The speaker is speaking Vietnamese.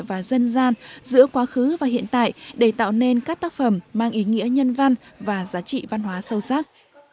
và dân gian giữa quá khứ và hiện tại để tạo nên các tác phẩm mang ý nghĩa nhân văn và giá trị văn hóa sâu sắc